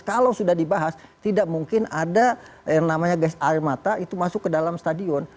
kalau sudah dibahas tidak mungkin ada yang namanya gas air mata itu masuk ke dalam stadion